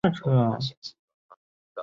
当小孩最重要的事